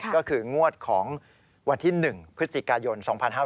ก็คืองวดของวันที่๑พฤศจิกายน๒๕๕๙